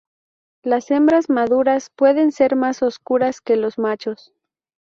Las hembras maduras pueden ser más oscuras que los machos.